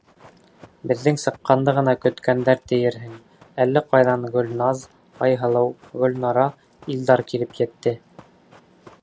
Беҙҙең сыҡҡанды ғына көткәндәр тиерһең, әллә ҡайҙан Гөлназ, Айһылыу, Гөлнара, Илдар килеп етте.